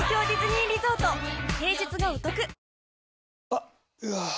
あっ、うわー。